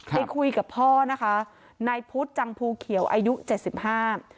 ไปคุยกับพ่อนะคะนายพุทธจังภูเขียวอายุเจ็ดสิบห้า